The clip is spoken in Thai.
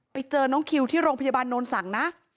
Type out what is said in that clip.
ไปเจอน้องคิวที่โรงพยาบาลโนนสั่งนะ